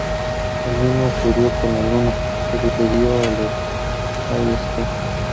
Lo mismo ocurrió con los Luna, que sucedieron a los Ballester.